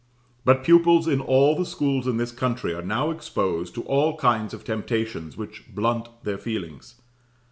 But pupils in all the schools in this country are now exposed to all kinds of temptations which blunt their feelings.